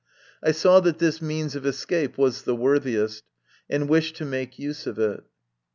I saw that this means of escape was the worthiest, and wished to make use of it.